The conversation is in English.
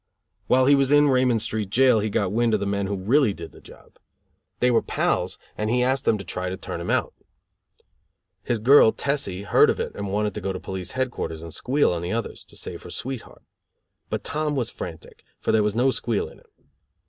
While he was in Raymond Street jail he got wind of the men who really did the job. They were pals and he asked them to try to turn him out. His girl, Tessie, heard of it and wanted to go to Police Headquarters and squeal on the others, to save her sweetheart. But Tom was frantic, for there was no squeal in him.